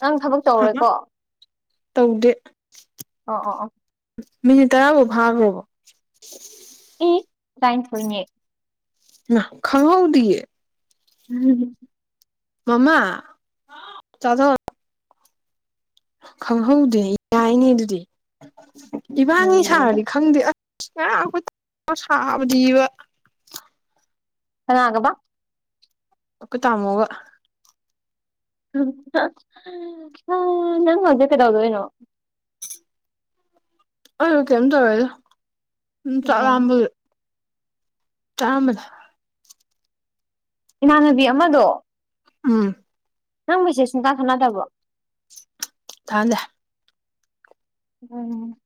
ꯅꯪ ꯊꯕꯛ ꯇꯧꯔꯣꯏꯀꯣ ꯇꯧꯗꯦ ꯑ ꯑ ꯑ ꯃꯤꯅꯤ ꯇꯔꯕꯨꯣꯚꯔ ꯂꯕ ꯇꯥꯏ ꯊꯣꯏꯅꯤ ꯈꯉꯎꯗꯤꯌꯦ ꯎꯝ ꯃꯃ ꯆꯗꯣ ꯈꯪꯍꯧꯗꯦ ꯌꯥꯏꯅꯦ ꯑꯗꯨꯗꯤ ꯏꯕꯥꯅꯤ ꯅꯩꯔꯦ ꯁꯥꯔꯗꯤ ꯈꯪꯗꯦ ꯑꯁ ꯑꯦ ꯑꯩꯈꯣꯏ ꯁꯥꯕꯗꯤꯕ ꯀꯅꯥꯒꯥ ꯕ ꯇꯥꯃꯨꯒ ꯅꯪ ꯃꯖ ꯀꯗꯥꯎꯗꯣꯩꯅꯣ ꯑꯗꯨ ꯀꯩꯝ ꯇꯧꯋꯦꯗꯣ ꯎ ꯎꯝ ꯆꯥꯛꯂꯥꯛꯝꯕꯗꯤ ꯆꯥꯃꯗ ꯏꯃꯥꯟꯅꯕꯤ ꯑꯃꯗꯣ ꯑꯥ ꯅꯪꯁꯦ ꯁꯨꯡꯇꯥ ꯊꯥꯅꯗꯕꯔꯣ ꯊꯥꯟꯗꯦ ꯎꯝ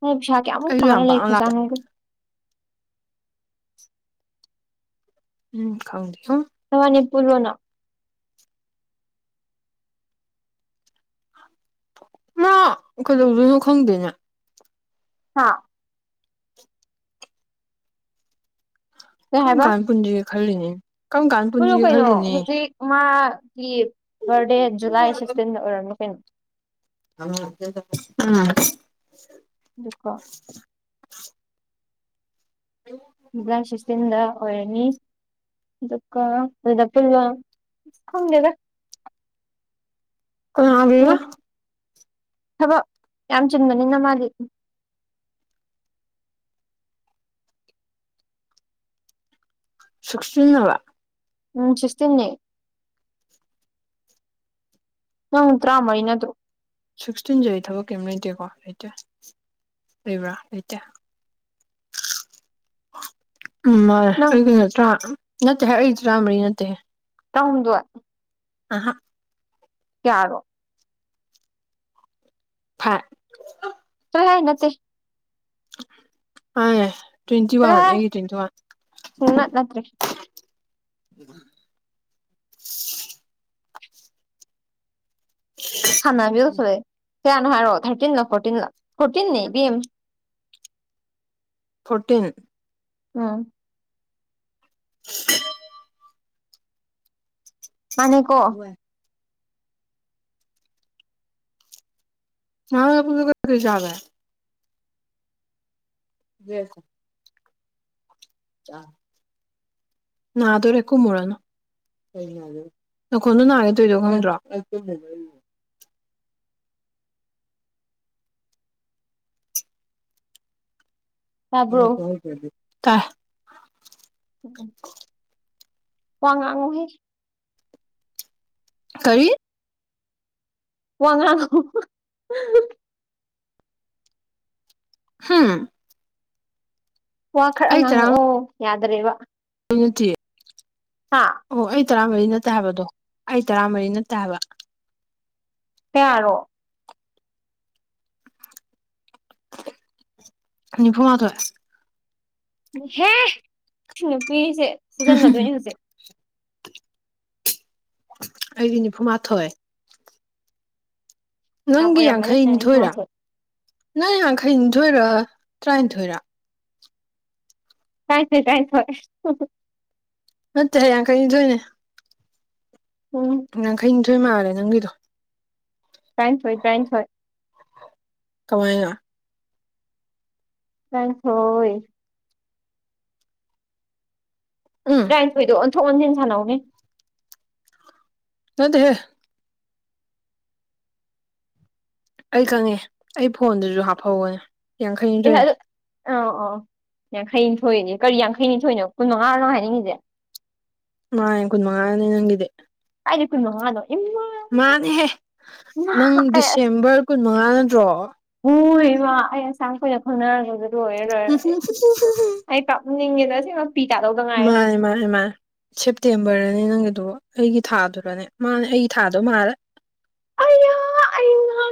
ꯅ ꯄꯩꯁꯥ ꯀꯌꯥꯃꯨꯛ ꯑꯩꯁꯨ ꯇꯥꯅ ꯌꯥꯝ ꯄꯥꯛꯅ ꯂꯥꯛꯇꯦ ꯂꯩꯈ꯭ꯔꯖꯥꯅ ꯍꯥꯏꯗꯣ ꯎꯝ ꯀꯥꯎ ꯁꯅꯤ ꯄꯨꯔꯣꯅ ꯃꯥ ꯀꯩꯗꯧꯗꯣꯏꯅꯣ ꯈꯪꯗꯦꯅꯦ ꯍꯥꯥ ꯀꯩ ꯀꯔꯝ ꯍꯥꯏꯕ ꯀꯥꯟ ꯄꯨꯟꯁꯤꯒꯦ ꯈꯜꯂꯤꯅꯤ ꯀꯔꯝ ꯀꯥꯟ ꯄꯨꯟꯁꯤꯒꯦ ꯈꯜꯂꯤꯅꯦ ꯕꯔꯗꯦ ꯖꯨꯂꯥꯏ ꯁꯤꯛꯁꯇꯤꯟꯗ ꯑꯣꯏꯔꯝꯃꯤ ꯀꯩꯅꯣ [unintelligible] ꯂꯀꯣ ꯂꯁꯤꯁꯤꯗ ꯑꯣꯏꯔꯅꯤ ꯑꯗꯨꯒꯥ ꯄꯨꯜꯋꯥ ꯈꯣꯡꯒꯦꯗ ꯃꯤ ꯀꯅꯥꯒꯥꯔꯥ ꯊꯕꯛ ꯌꯥꯝ ꯆꯤꯟꯕꯅꯤꯅ ꯃꯥꯜꯂꯤ ꯁꯨꯛꯅꯂꯥ ꯎꯝ ꯆꯁꯇꯅꯦ ꯅꯊ ꯇ꯭ꯔꯥ ꯃꯔꯤꯅ ꯅꯔ‌ꯣ ꯁꯤꯛꯁꯇꯤꯟꯁꯦ ꯑꯩ ꯊꯕꯛ ꯀꯔꯤꯝ ꯂꯩꯇꯦꯀꯣ ꯂꯩꯇꯦ ꯂꯩꯕ꯭ꯔ ꯏꯇ [inaudible] ꯎꯝ ꯃꯥ ꯅꯪ ꯑꯩ ꯀꯩꯅꯣ ꯇ ꯅꯠꯇꯦ ꯍꯥꯏ ꯑꯩ ꯇꯔꯥꯃꯔꯤ ꯅꯠꯇꯦ ꯇꯥꯎꯗ ꯑꯍꯥ ꯀꯔꯣ ꯊ ꯅꯠꯇ ꯑ ꯇ꯭ꯋꯦꯟꯇꯤ ꯋꯥꯟ ꯆꯠꯂꯍꯦ ꯑꯩꯒꯤ ꯇ꯭ꯋꯦꯟꯇꯤ ꯋꯥꯟ ꯁꯨꯡꯅꯠ ꯅꯠꯇ꯭ꯔꯦ ꯎꯝ ꯁꯥꯟꯕꯤꯦ ꯁꯦ ꯅꯍꯣꯏꯣ ꯊꯔꯇꯤꯟ ꯂ ꯐꯣꯔꯇꯤꯟ ꯂ ꯐꯣꯔꯇꯤꯟ ꯅ ꯐꯣꯔꯇꯤꯟ ꯑꯝ [unintelligible] ꯃꯥꯅꯦ ꯀꯣ ꯍ ꯄꯨ ꯌꯥꯥꯗ ꯌꯦꯁ ꯑ ꯅ ꯑꯗꯔ ꯑꯦꯣ ꯃꯣꯣꯔꯅꯣ ꯅꯈꯣꯟꯗꯣ ꯅꯥꯒꯦ ꯇꯣꯏꯗꯣ ꯈꯪꯗ꯭ꯔꯣ ꯇꯥꯕ꯭ꯔꯣ [unintelligible] ꯋꯥꯉꯥꯡꯍ ꯀꯔꯤ ꯋꯥꯉꯣ ꯍꯝ ꯋꯥ ꯈꯔ ꯉꯥꯡꯉꯛꯑꯣ ꯌꯥꯗꯔꯦꯕ ꯀꯠꯇꯦ ꯍꯥꯥ ꯇꯔꯥꯃꯔꯤ ꯅꯠꯇ ꯍꯥꯏꯕꯗꯣ ꯑꯩ ꯇꯔꯥꯃꯔꯤ ꯅꯠꯇ ꯍꯥꯏꯕ ꯇꯔꯣ ꯅꯤꯐꯨ ꯃꯥꯊꯋ ꯍꯦ ꯅꯨꯄꯤꯁꯦ ꯁꯨꯖꯟꯅꯗꯣꯏꯅꯤ ꯍꯧꯖꯤꯛ ꯑꯩꯗꯤ ꯅꯤꯐꯨꯃꯥꯊꯣꯏ ꯌꯥꯝ ꯅꯪꯒꯤ ꯑꯣꯏꯔꯝꯃꯅꯤ ꯌꯥꯡꯈꯩ ꯅꯤꯊꯣꯏꯔꯥ ꯅꯤꯐꯨꯃꯥꯊꯣꯏ ꯅꯪ ꯌꯥꯡꯈꯩꯅꯤꯊꯣꯏꯔ ꯇꯔꯥꯅꯤꯊꯣꯏꯔꯥ ꯀꯥꯏꯁꯦ ꯀꯥꯏ ꯊ ꯍꯣꯏ ꯑꯠꯇ ꯌꯥ ꯀꯥꯏꯁꯨꯣꯏꯦ ꯎꯝ ꯌꯥꯡꯈꯩꯅꯤꯊꯣꯏ ꯃꯥꯂꯦ ꯅꯪꯒꯤꯗꯣ ꯐ꯭ꯔꯥꯏꯁ ꯍꯣꯏ ꯇ꯭ꯔꯥꯏꯟꯁ ꯍꯣꯏ ꯀꯃꯥꯏꯅ ꯅꯪ ꯍꯣꯏ ꯎꯝ ꯇꯔꯥꯅꯤꯊꯣꯏꯗꯣ ꯑꯣꯟꯊꯣꯛ ꯑꯣꯟꯁꯤꯟ ꯁꯥꯟꯅꯧꯅꯦ ꯅꯗꯤ ꯍꯦ ꯑꯩ ꯈꯪꯉꯦ ꯑꯩ ꯐꯣꯟꯗꯨꯁꯨ ꯍꯥꯞꯐꯧꯒꯅꯦ ꯌꯥꯡꯈꯩꯅꯤꯊꯣꯏꯅꯦ ꯑꯧ ꯑ ꯌꯥꯡꯈꯩꯅꯤ ꯊꯣꯏꯏꯗꯤ ꯀꯔꯤ ꯌꯥꯡꯈꯩꯅꯤ ꯊꯣꯏꯏꯅꯣ ꯀꯨꯟ ꯃꯉꯥꯅꯣ ꯍꯥꯏꯅꯤꯡꯉꯤꯁꯦ ꯃꯥ ꯌꯥꯡ ꯀꯨꯟ ꯃꯉꯥꯅꯦ ꯅꯪꯒꯤꯗꯤ ꯍꯥꯏꯛꯅꯣ ꯃꯥꯗꯣ ꯃꯥꯅꯦꯍꯦ ꯅꯪ ꯑꯩ ꯑꯁ ꯗꯤꯁꯦꯝꯕꯔ ꯀꯨꯟꯃꯉꯥ ꯅꯠꯇ꯭ꯔꯣ ꯍꯣꯏ ꯑꯩ ꯑꯁꯥꯡ ꯀꯣꯏꯏꯅ ꯈꯪꯅꯔꯄꯗꯨ ꯂꯣꯏꯔꯦ ꯂꯣꯏꯔꯦ ꯑꯩ ꯑꯩ ꯄꯥꯛꯅꯤꯡꯉꯦꯗ ꯁꯤꯃꯛ ꯃꯥꯅꯦ ꯃꯥꯅꯦ ꯃꯥ ꯁꯦꯞꯇꯦꯝꯕꯔꯅꯤ ꯅꯪꯒ ꯑꯗ ꯑꯩꯒꯤ ꯊꯥꯗꯨꯅꯅꯦ ꯃꯥꯅꯦ ꯑꯩꯒꯤ ꯊꯥꯗꯣ ꯃꯥꯂꯦ ꯍ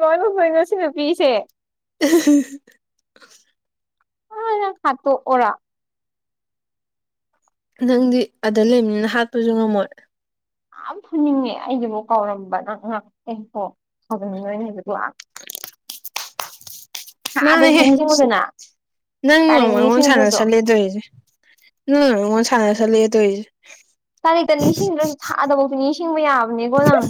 ꯀꯂ ꯉ ꯁꯤ ꯅꯨꯄꯤꯤꯁꯦ [unintelligible] ꯍ ꯈꯠꯇꯣ ꯑꯣꯔ ꯅꯪꯗꯤ ꯑꯗ ꯂꯩꯕꯅꯤꯅ ꯍꯥꯠꯄꯁꯨ ꯉꯝꯃꯣꯏ ꯌꯥꯝ ꯐꯨꯅꯤꯡꯉꯦ ꯑꯩꯒꯤꯕꯨ ꯀꯥꯎꯔꯝꯕ ꯅꯪꯣ ꯀꯧꯅꯤꯡ ꯅꯣꯏꯅꯦ ꯂꯥꯛ ꯑꯥꯗꯁꯨ ꯃꯥꯅꯦꯍꯦ ꯅꯤꯡꯁꯤꯡꯉꯨꯗꯅ ꯅꯪꯅ ꯇꯥꯔꯤꯛ ꯃꯨꯛ ꯑꯩꯉꯣꯟꯗ ꯁꯥꯟꯅ ꯅꯤꯡꯁꯤꯡꯉꯨꯗ꯭ꯔꯁꯨ ꯁꯜꯂꯦ ꯇꫭꯏꯁꯦ ꯅꯪ ꯑꯩꯉꯣꯟ ꯁꯥꯟꯅ ꯁꯜꯂꯦ ꯇꫭꯏꯁꯦ ꯇꯥꯔꯤꯛꯇ ꯅꯤꯡꯁꯤꯡꯗ꯭ꯔꯁꯨ ꯊꯥꯗꯕꯧꯗꯤ ꯅꯤꯡꯁꯤꯡꯕ ꯌꯥꯕ ꯕꯅꯤꯀꯣ ꯅꯪ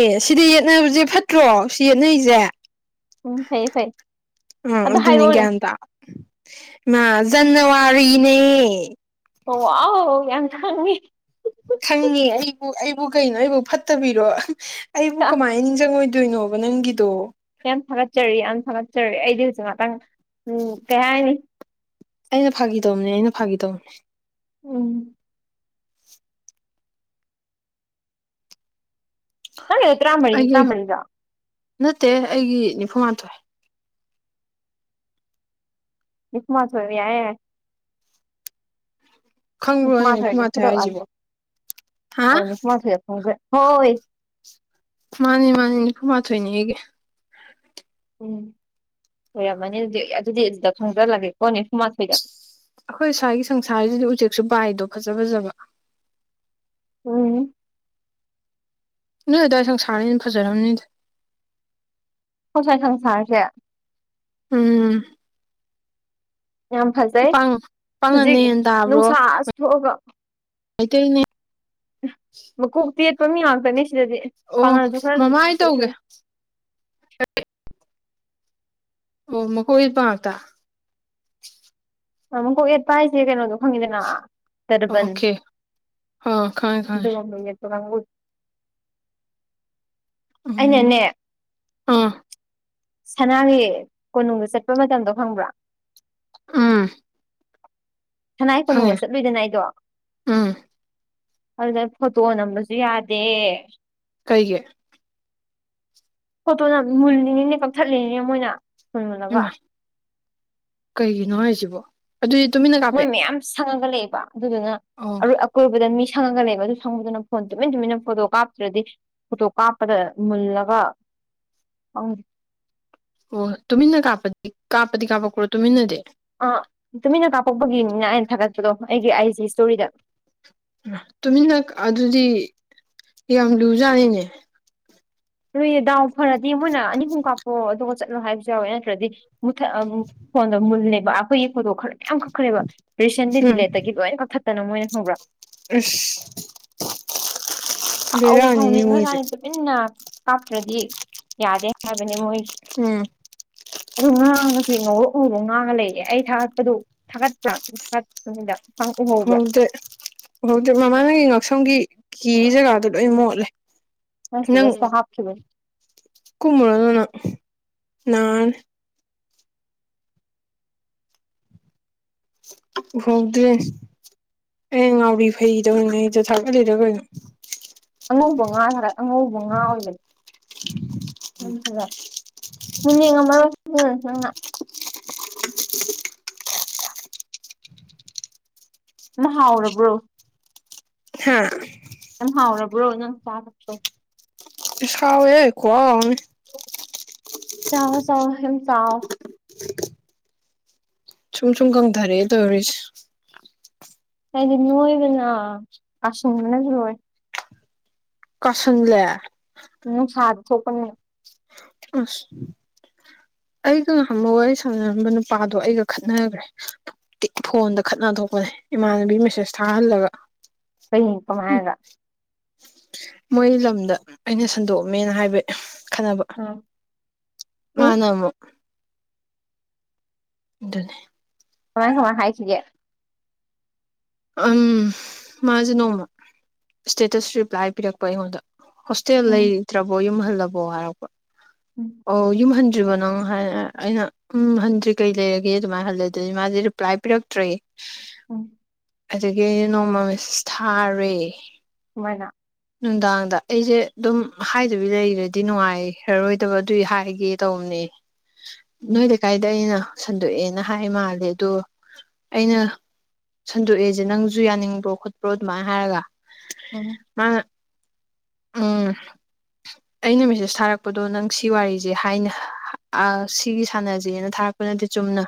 ꯑꯦ ꯁꯤꯗꯤ ꯌꯦꯠꯅꯕꯁꯦ ꯐꯠꯇ꯭ꯔꯣ ꯁꯤ ꯌꯦꯠꯅꯩꯁꯦ ꯎꯝ ꯐꯩꯌꯦ ꯐꯩ ꯑ ꯑꯗ ꯑꯗꯨꯅꯤ ꯍꯥꯏꯔꯛꯑꯣꯅꯦ ꯒ꯭ꯌꯥꯟꯇ ꯇꯥꯎ ꯃ ꯖꯅꯋꯥꯔꯤꯅꯦ ꯑꯣ ꯋꯥꯎ ꯌꯥꯝ ꯈꯪꯉꯦ ꯈꯪꯉꯦ ꯑꯩꯕꯨ ꯑꯩꯕꯨ ꯀꯩꯅꯣ ꯑꯩꯕꯨ ꯐꯠꯇꯕꯤꯔꯣ ꯑꯩꯕꯨ ꯀꯃꯥꯏꯅ ꯅꯤꯡꯁꯤꯡꯉꯣꯏꯗ ꯗꯣꯏꯅꯣꯕ ꯅꯪꯒꯤꯗꯣ ꯌꯥꯝ ꯊꯥꯒꯠꯆꯔꯤ ꯌꯥꯝ ꯊꯥꯒꯠꯆꯔꯤ ꯑꯩꯗꯤ ꯍꯧꯖꯤꯛ ꯉꯥꯛꯇꯪ ꯎꯝ ꯀꯩ ꯍꯥꯏꯅꯤ ꯑꯩꯅ ꯐꯥꯒꯤ ꯇꯧꯕꯅꯦ ꯑꯩꯅ ꯐꯥꯒꯤ ꯇꯧꯕꯅꯦ ꯎꯝ ꯅꯪꯒꯤꯗꫭ ꯇ꯭ꯔꯥ ꯃꯔꯤꯗꯤ ꯑꯩꯒꯤ ꯇ꯭ꯔꯥ ꯃꯔꯤꯔꫭ ꯅꯠꯇꯦ ꯑꯩꯒꯤ ꯅꯤꯐꯨꯃꯊꯣꯏ ꯅꯤꯐꯨꯃꯥꯊꫭꯏ ꯑꫭ ꯌꯥ ꯌꯥꯔꯦ ꯈꯪꯕ꯭ꯔꯣ [unintelligible] ꯑꫭ ꯑꯩ ꯅꯤꯐꯨꯃꯥꯊꯣꯏ ꯅꯤꯐꯨꯃꯥꯊꫭꯏꯗ ꯍꯥꯏꯁꯤꯕꯣ ꯍꯥ ꯍꫭꯡꯖ ꯍꫭꯏ ꯃꯥꯅꯤ ꯃꯥꯅꯤ ꯅꯤꯐꯨ ꯃꯥꯊꯣꯏꯅꯤ ꯑꯩꯒꯤ ꯎꯝ ꯑꫭꯏꯔꯝꯃꯅꯤ ꯑꯗꯨꯗꯤ ꯑꯗꯨꯗꯤ ꯑꯗꯨꯗ ꯈꯪꯖꯜꯂꯒꯦꯀꯣ ꯅꯤꯐꯨꯃꯥꯊꯣꯏꯗ ꯑꯩꯈꯣꯏ ꯁ꯭ꯋꯥꯏꯒꯤ ꯁꯪꯁꯥꫪꯁꯤꯗꯤ ꯎꯆꯦꯛꯁꯨ ꯄꯥꯏꯗꯣ ꯐꯖ ꯐꯖꯕ ꯎꯝ ꯅꯣꯏ ꯑꯗꯥꯏ ꯁꯪꯁꯥꯔꯤꯅ ꯐꯖꯔꯝꯅꯤꯗ ꯈꫭꯏ ꯁꯥꯏ ꯁꯪꯁꯥꫪꯁꯦ ꯎꯝ ꯌꯥꯝ ꯐꯖꯩ ꯄꯥꯡ ꯄꯥꯡꯒꯟꯅ ꯍꯧꯖꯤꯛ ꯍꯦꯟ ꯇꯥꯕ꯭ꯔꯣ ꯅꯨꯡꯁꯥ ꯑꯁ ꯃꯩꯇꯩꯅ ꯃꯀꯣꯛꯇ ꯌꯦꯠꯄ ꯃꯤ ꯉꯥꯛꯇꯅꯦ ꯁꯤꯗꯗꯤ ꯑꯣ ꯄꯥꯉꯜꯅꯁꯨ ꯈꯔꯅꯗꯤ ꯃꯃꯥꯏ ꯏꯁꯣꯏ ꯇꯧꯒꯦ ꯁꫭꯏ ꯑꯣ ꯃꯀꯣꯛ ꯌꯦꯠꯄ ꯉꯥꯛꯇ ꯃꯀꯣꯛ ꯌꯦꯠꯄ ꯍꯥꯏꯁꯦ ꯀꯩꯅꯣꯗꯣ ꯈꯪꯉꯤꯗꯅ ꯇꫪꯕꯟ ꯑꯣꯀꯦ ꯑ ꯈꯪꯉꯦ ꯈꯪꯉꯦ [unintelligible] ꯎꯝ ꯑꯩꯅꯅꯦ ꯑ ꯁꯅꯥꯒꯤ ꯀꯣꯅꯨꯡꯗ ꯆꯠꯄ ꯃꯇꯝꯗꯣ ꯈꯪꯕ꯭ꯔ ꯎꯝ ꯁꯅꯥꯏ ꯐꯪꯉꯦ ꯀꯣꯅꯨꯡꯗ ꯆꯠꯂꯨꯏꯗꯅ ꯑꯩꯗꯣ ꯎꯝ ꯑꯗꯨꯗ ꯐꯣꯇꯣ ꯅꯝꯕꯁꯨ ꯌꯥꯗꯦ ꯀꯩꯒꯤ ꯐꯣꯇꯣꯅ ꯃꯨꯜꯂꯤꯉꯤꯅꯦ ꯀꯛꯊꯠꯂꯤꯅꯤꯅꯦ ꯃꯣꯏꯅ ꯐꫭꯟ ꯃꯨꯜꯂꯒ ꯏꯃꯥ ꯀꯩꯒꯤꯅꯣ ꯍꯥꯏꯁꯤꯕꯣ ꯑꯗꯨꯗꯤ ꯇꯨꯃꯤꯟꯅ ꯀꯥꯞꯄꯦ ꯃꯣꯏ ꯃꯌꯥꯝ ꯁꯪꯉꯒ ꯂꯩꯌꯦꯕ ꯑꯗꯨꯗꯨꯅ ꯑꯣ ꯑꯀꯣꯏꯕꯗ ꯃꯤ ꯁꯪꯉꯒ ꯂꯩꯕ ꯑꯗꯨ ꯁꯪꯉꯨꯗꯨꯅ ꯐꯣꯟ ꯇꯨꯃꯤꯟ ꯇꯨꯃꯤꯟꯅ ꯐꯣꯇꯣ ꯀꯥꯞꯇ꯭ꯔꯗꯤ ꯐꯣꯇꯣ ꯀꯥꯞꯄꯗ ꯃꯨꯜꯂꯒ ꯑꯣ ꯑꯣ ꯇꯨꯃꯤꯟꯅ ꯀꯥꯞꯄꯗꯤ ꯀꯥꯞꯄꯗꯤ ꯀꯥꯞꯄꯛꯄ꯭ꯔꯣ ꯇꯨꯃꯤꯟꯅꯗꯤ ꯊꯣꯛꯄꯒꯤꯅꯤꯅ ꯑꯩꯅ ꯊꯥꯒꯠꯄꯗꯣ ꯑꯩꯒꯤ ꯑꯥꯏꯖꯤ ꯏꯁꯇꯣꯔꯤꯗ ꯇꯨꯃꯤꯟꯅꯛ ꯑꯗꯨꯗꯤ ꯌꯥꯝ ꯂꯨꯖꯥꯅꯤꯅꯦ ꯂꯨꯏꯌꯦ ꯗꯥꯎ ꯐꯔꯗꯤ ꯃꯣꯏꯅ ꯑꯅꯤ ꯑꯍꯨꯝ ꯀꯥꯞꯄꫭ ꯑꯗꯨꯒ ꯆꯠꯂꯣ ꯍꯥꯏꯕꯁꯨ ꯌꯥꯎꯋꯦ ꯅꯠꯇ꯭ꯔꯗꯤ ꯃꯨꯊꯠ ꯐꯣꯟꯗꫭ ꯃꯨꯜꯂꯦꯕ ꯑꯩꯈꯣꯏꯒꯤ ꯐꯣꯇꯣ ꯈꯔ ꯌꯥꯝ ꯀꯛꯈ꯭ꯔꯦꯕ ꯔꯤꯁꯦꯟꯂꯤ ꯎꯝ ꯗꯤꯂꯦꯠꯇꯒꯤ ꯂꯣꯏꯅ ꯀꯛꯊꯠꯇꯅ ꯃꯣꯏꯅ ꯈꯪꯕ꯭ꯔ ꯑꯁ ꯁꯥꯎ ꯕꯦꯔꯥꯅꯤꯅꯦ ꯃꯣꯏꯁꯦ ꯁꯥꯎꯅꯤꯡꯒ꯭ꯔꯖꯅꯤ ꯇꯨꯃꯤꯟꯅ ꯀꯥꯞꯇ꯭ꯔꯗꯤ ꯌꯥꯗꯦ ꯍꯥꯏꯕꯅꯦ ꯃꯣꯏꯁ ꯎꯝ ꯑꯗꯨ ꯉꯥꯡꯉꯒ ꯆꯦꯡꯉꯧꯕ ꯎꯕ ꯉꯥꯡꯉ ꯂꯩꯔꯦ ꯑꯩ ꯊꯥꯒꯠꯄꯗꯨ ꯊꯥꯒꯠꯄ ꯊꯥꯒꯠꯄꯅꯤꯗ ꯅꯪ ꯎꯍꯧꯕ꯭ꯔꯥ ꯍꯧꯗꯦ ꯍꯧꯖꯤ ꯃꯃꯥ ꯅꯒꯤ ꯉꯛꯁꯝꯒꯤ ꯀꯤ ꯖꯒꯥꯗꯨꯣ ꯂꯣꯏ ꯃꯣꯠꯂꯦ ꯑꯁ ꯁ ꯍꯥꯞꯈꯤꯕꯕ ꯀꯨꯃꯔ ꯂꯅ ꯅꯔ ꯍꯗ꯭ꯔꯦ ꯑꯦ ꯉꯥꯎꯔꯤ ꯐꯩꯗ ꯑꯣꯏꯅꯣ ꯑꯩꯗꯣ ꯊꯥꯒꯠꯂꯤꯔ ꯑꯣꯏꯅꯣ ꯑꯉꯧꯕ ꯉꯥ ꯈꯔ ꯑꯉꯧꯕ ꯉꯥ ꯑꯣꯏꯕ ꯉꯝꯕ ꯎꯝ ꯅ ꯍꯥꯎꯔꯕ꯭ꯔꯣ ꯍꯥꯥ ꯍꯥꯎꯔꯕ꯭ꯔꯣ ꯅꯪ ꯆꯥ ꯂꯣ ꯄ ꯈꯥꯎꯋꯦ ꯀꯣ ꯆꯕꯣ ꯆꯣ ꯍ ꯆꯥꯑꯣ ꯁꯨꯝꯨꯝ ꯁꯨꯝ ꯀꯪ ꯊꯔꯦꯗꯔꯤꯁ ꯀꯗꯤ ꯅꯣꯏꯕꯅ ꯑꯁꯅꯁꯨ ꯂꯣꯏ ꯀꯁ ꯂ ꯎꯝ ꯁꯥ ꯊ ꯄ ꯅ ꯑ [unintelligible] ꯑꯩꯒ ꯉꯍꯕ ꯋꯥꯔꯤ ꯁꯥꯟꯅꯔꯝꯕ ꯅꯨꯄꯥꯗꯣ ꯑꯩꯒ ꯈꯠꯅꯈ꯭ꯔꯦꯤ ꯐꯣꯟꯗ ꯈꯠꯅ ꯊꯣꯛꯣꯛꯄꯅꯦ ꯏꯃꯥꯟꯅꯕꯤ ꯃꯦꯁꯦꯁ ꯊꯥꯍꯜꯂꯒ ꯀꯩꯅ ꯎꯝ ꯀꯃꯑꯒ ꯃꯣꯏ ꯂꯝꯗ ꯑꯩꯅ ꯁꯟꯗꯣꯛꯑꯝꯃꯦꯅ ꯍꯥꯏꯕ ꯈꯟꯅꯕ ꯎꯝ ꯑꯦ ꯃꯥꯅꯃ ꯑꯗꯨꯅꯦ ꯀꯃꯥꯏ ꯍꯃꯥꯏ ꯍꯥꯏꯈꯤꯒꯦ ꯎꯝ ꯃꯥꯁꯦ ꯅꯣꯡꯃ ꯏꯁꯇꯦꯇꯁ ꯔꯤꯄ꯭ꯂꯥꯏ ꯄꯤꯔꯛꯄ ꯑꯩꯉꯣꯟꯗ ꯍꯣꯁꯇꯦꯜ ꯎꯝ ꯂꯩꯇ꯭ꯔꯕꯣ ꯌꯨꯝꯍꯜꯂꯕꯣ ꯍꯥꯏꯔꯛꯄ ꯎꯝ ꯑꯣ ꯌꯨꯝꯍꯟ ꯗ꯭ꯔꯤꯕꯣ ꯅꯪ ꯑꯩꯅ ꯎꯝ ꯍꯟꯗ꯭ꯔꯤ ꯀꯩ ꯂꯩꯔꯒꯦ ꯑꯗꯨꯃꯥꯏꯅ ꯍꯜꯂꯦ ꯑꯗꯨꯗꯤ ꯃꯥꯗꯤ ꯔꯤꯄ꯭ꯂꯥꯏ ꯄꯤꯔꯛꯇ꯭ꯔꯦ ꯎꯝ ꯑꯗꯨꯗꯒꯤ ꯑꯩꯅ ꯅꯣꯡꯃ ꯃꯤꯁ ꯊꯥꯔꯦ ꯃꯥꯏꯅ ꯅꯨꯡꯗꯥꯡꯗ ꯑꯩꯁꯦ ꯑꯗꯨꯝ ꯍꯥꯏꯗꯕꯤ ꯂꯩꯔꯗꯤ ꯅꯨꯡꯉꯥꯏꯈꯔꯔꯣꯏꯗꯕ ꯑꯗꯨꯏ ꯍꯥꯏꯒꯦ ꯇꯧꯕꯅꯦ ꯎꯝ ꯅꯣꯏꯗ ꯀꯥꯏꯗ ꯑꯩꯅ ꯁꯟꯗꯣꯛꯑꯦꯅ ꯍꯥꯏ ꯃꯥꯜꯂꯦ ꯑꯗꯣ ꯑꯩꯅ ꯁꯟꯗꯣꯛꯑꯦꯁꯦ ꯅꯪꯁꯨ ꯌꯥꯅꯤꯡꯕ꯭ꯔꯣ ꯈꯣꯠꯄ꯭ꯔꯣ ꯑꯗꯨꯃꯥꯏꯅ ꯍꯥꯏꯔꯒ ꯎꯝ ꯃꯥꯅ ꯎꯝ ꯑꯩꯅ ꯃꯦꯁꯦꯁ ꯊꯥꯔꯛꯄꯗꯣ ꯅꯪ ꯁꯤ ꯋꯥꯔꯤꯁꯦ ꯍꯥꯏꯅ ꯁꯤꯒꯤ ꯁꯥꯟꯅꯖꯦꯅ ꯊꯥꯔꯛꯄꯅꯗꯤ ꯆꯨꯝꯅ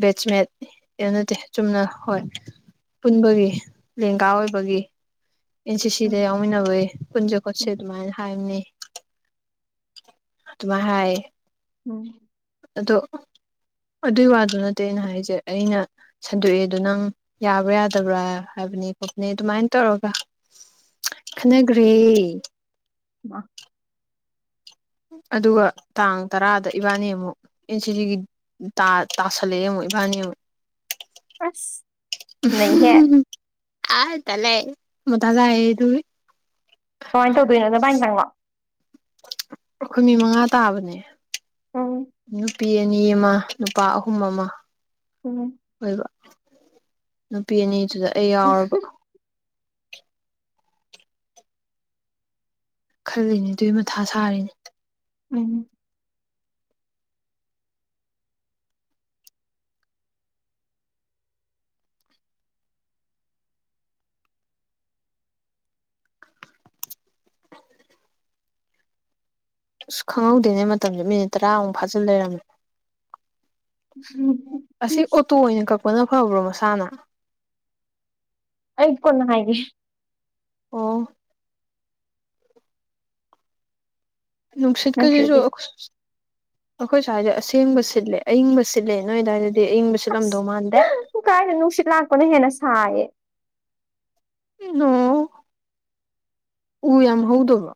ꯕꯦꯠꯁꯃꯦꯠ ꯀ ꯅꯠꯇꯦ ꯆꯨꯝꯅ ꯍꯣꯏ ꯄꯨꯟꯕꯒꯤ ꯂꯦꯡꯒꯥ ꯑꯣꯏꯕꯒꯤ ꯑꯦꯟ ꯁꯤ ꯁꯤꯗ ꯎꯝ ꯌꯥꯎꯃꯤꯟꯅꯕꯒꯤ ꯄꯨꯟꯁꯦ ꯈꯣꯠꯁꯦ ꯎꯝ ꯑꯗꯨꯃꯥꯏꯅ ꯍꯥꯏꯕꯅꯤ ꯇꯨꯃ ꯍꯥꯏꯥꯏ ꯎꯝ ꯑꯗꯣ ꯑꯗꯨꯏ ꯋꯥꯗꯨ ꯅꯠꯇꯦ ꯑꯩꯅ ꯍꯥꯏꯁꯦ ꯑꯩꯅ ꯁꯟꯗꯣꯛꯑꯦꯗ ꯅꯪ ꯌꯥꯕ꯭ꯔꯥ ꯌꯥꯗꯕ꯭ꯔꯥ ꯍꯥꯏꯕ ꯍꯥꯏꯕꯅꯦ ꯈꯣꯄꯅꯦ ꯑꯗꯨꯃꯥꯏꯅ ꯇꯧꯔꯒ ꯈꯟꯅꯈ꯭ꯔꯦ ꯋꯥ ꯑꯗꯨꯒ ꯇꯥꯡ ꯇꯔꯥꯗ ꯏꯕꯥꯅꯤ ꯑꯃꯨꯛ ꯑꯦꯟ ꯁꯤ ꯖꯤꯒꯤ ꯇꯥꯁꯜꯂꯛꯑꯦ ꯑꯃꯨꯛ ꯏꯕꯥ ꯀꯅꯤ ꯑꯁ ꯅꯩꯍꯦ ꯑ ꯇꯦ ꯃꯇꯥꯖꯥꯏ ꯇ ꯀꯃꯥꯏꯅ ꯇꯧꯗꯣꯏꯅꯣ ꯑꯗꯨ ꯚꯥꯏꯅ ꯆꯪꯕꯣ ꯑꯩꯈꯣꯏ ꯃꯤ ꯃꯉꯥ ꯇꯥꯕꯅꯦ ꯎꯝ ꯅꯨꯄꯤ ꯑꯅꯤ ꯑꯃ ꯅꯨꯄꯥ ꯑꯍꯨꯝ ꯑꯃ ꯎꯝ ꯑꯣꯏꯕ ꯅꯨꯄꯤ ꯑꯅꯤꯗꯨꯗ ꯑꯩ ꯌꯥꯎꯔꯕ ꯈꯜꯂꯤꯅꯦ ꯑꯗꯨꯏ ꯃꯊꯥ ꯁꯥꯔꯤꯅꯦ ꯎꯝ ꯑꯁ ꯈꯪꯍꯧꯗꯦꯅꯦ ꯃꯇꯝꯁꯦ ꯃꯤꯅꯤꯠ ꯇꯔꯥꯃꯨꯛ ꯐꯥꯖꯤꯜ ꯂꯩꯔꯝꯃꯦ ꯑꯁꯤ ꯑꯣꯇꯣ ꯑꯣꯏꯅ ꯀꯛꯄꯅ ꯐꯕ꯭ꯔꯣ ꯃꯁꯥꯅ ꯑꯩꯠ ꯀꯅ ꯍꯥꯏꯦ ꯑꯣ ꯅ ꯅꯨꯁꯤꯠ ꯀꯁꯤꯁꯨ ꯅꯠꯇ꯭ꯔꯗꯤ ꯑꯩꯈꯣꯏ ꯁ꯭ ꯍꯥꯏꯏꯁꯦ ꯑꯁꯦꯡꯕ ꯁꯤꯠꯂꯦ ꯑꯏꯪꯕ ꯁꯤꯠꯂꯦ ꯅꯣꯏꯗꯋꯥꯏꯁꯤꯗꯤ ꯑꯁꯨꯡ ꯀꯥꯏꯅ ꯅꯨꯡꯁꯤꯠ ꯂꯥꯛꯄꯅ ꯍꯦꯟꯅ ꯁꯥꯏꯌꯦ ꯑꯣ ꯎ ꯌꯥꯝ ꯍꯧꯗꯕ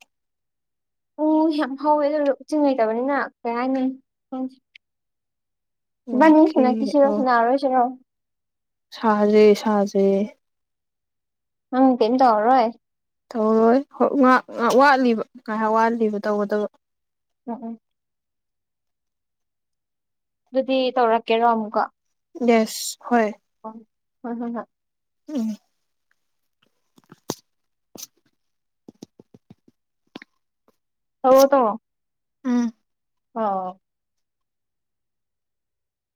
ꯎ ꯌꯥꯝ ꯍꯧꯋꯦ ꯑꯗꯨ ꯎ ꯆꯤꯡꯉꯩꯇꯕꯅꯤꯅ ꯀꯩ ꯍꯥꯏꯅꯤ ꯕꯥꯅꯤ ꯑꯣꯀꯦ ꯁꯅ ꯑꯣ ꯀꯁꯤꯔꯣꯁꯅ ꯑꯁꯔꯣ ꯁꯥꯖꯦ ꯁꯥꯖꯦ ꯎꯪ ꯇꯝ ꯇ ꯍꯔꯣꯏꯣꯏ ꯇꯧꯔꯣꯏ ꯉꯍꯥꯛ ꯉ ꯋꯥꯠꯂꯤꯕ ꯉꯥꯏꯍꯥꯛ ꯋꯥꯠꯂꯤꯕ ꯇꯧꯒꯗꯕ ꯎꯝ ꯎꯝ ꯑꯗꯨꯗꯤ ꯇꯧꯔꯛꯀꯦꯔꯣ ꯑꯃꯨꯛꯀ ꯌꯦꯁ ꯍꯣꯏ ꯑꯣ ꯍ ꯍ ꯍ ꯎꯝ ꯍ ꯇꯣ ꯎꯝ ꯑ